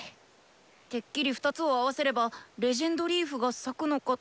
てっきり２つを合わせれば「伝説のリーフ」が咲くのかと。